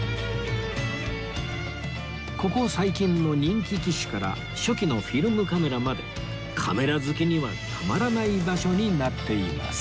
ここ最近の人気機種から初期のフィルムカメラまでカメラ好きにはたまらない場所になっています